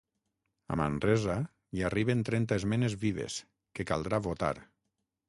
A Manresa hi arriben trenta esmenes vives, que caldrà votar.